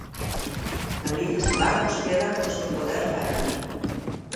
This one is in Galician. Galiza sen barcos queda cos que poder faenar.